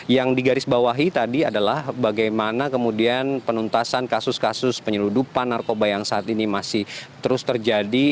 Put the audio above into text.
yang digarisbawahi tadi adalah bagaimana kemudian penuntasan kasus kasus penyeludupan narkoba yang saat ini masih terus terjadi